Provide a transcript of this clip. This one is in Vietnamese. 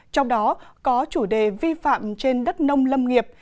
trong đó có chủ đề vi phạm trên đất nông lâm nghiệp